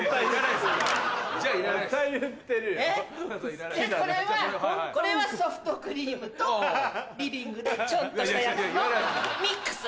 でこれはこれはソフトクリームとリビングでちょっとしたやつのミックス。